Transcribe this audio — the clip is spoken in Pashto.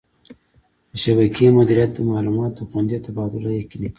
د شبکې مدیریت د معلوماتو خوندي تبادله یقیني کوي.